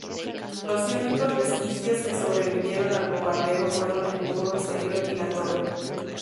Los únicos vestigios que sobrevivieron al bombardeo fueron el muro exterior y la torre.